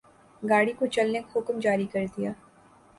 گاڑی کو چلنے کا حکم جاری کر دیا